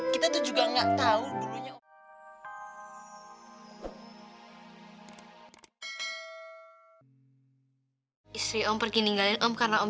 karena kita masih terus berharap